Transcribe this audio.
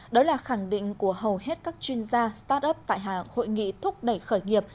đó là khẳng định của hầu hết các chuyên gia start up tại hội nghị thúc đẩy khởi nghiệp